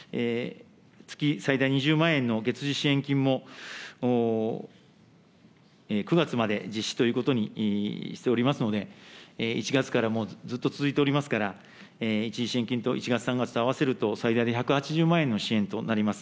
月最大２０万円の月次支援金も９月まで実施ということにしておりますので、１月からもうずっと続いておりますから、一時支援金と、１月、３月と合わせると最大で１８０万円の支援となります。